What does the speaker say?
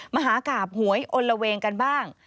มหากราบหวยอลละเวงกันบ้าง